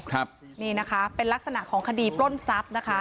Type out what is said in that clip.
ครับนี่นะคะเป็นลักษณะของคดีปล้นทรัพย์นะคะ